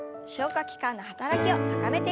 器官の働きを高めていきましょう。